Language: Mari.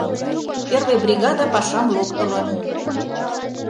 Первый бригада пашам локтылын.